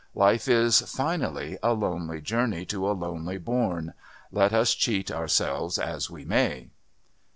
Life is, finally, a lonely journey to a lonely bourne, let us cheat ourselves as we may."